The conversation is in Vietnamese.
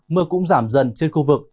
mưa cũng giảm dần trên khu vực